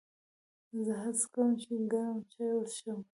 زه هڅه کوم چې ګرم چای وڅښم.